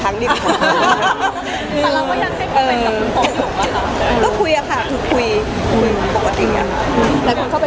ไม่ได้มีปัญหาเรื่องเขาบอกไม่บอกนะคะ